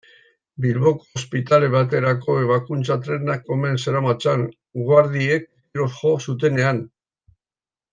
Bilboko ospitale baterako ebakuntza-tresnak omen zeramatzan, guardiek tiroz jo zutenean.